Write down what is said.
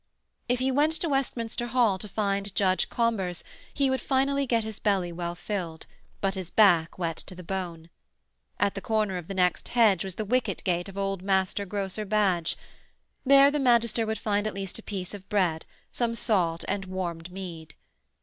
If he went to Westminster Hall to find Judge Combers, he would get his belly well filled, but his back wet to the bone. At the corner of the next hedge was the wicket gate of old Master Grocer Badge. There the magister would find at least a piece of bread, some salt and warmed mead.